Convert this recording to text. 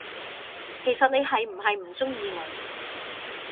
其實你係唔係唔鍾意我，？